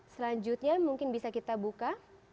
selanjutnya mungkin bisa kita buka